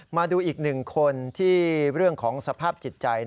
มาดูอีกหนึ่งคนที่เรื่องของสภาพจิตใจ